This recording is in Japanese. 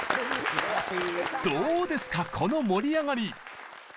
どうですかこの盛り上がり！